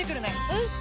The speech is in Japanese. うん！